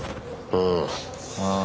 うん